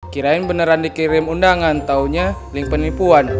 kirain beneran dikirim undangan taunya link penipuan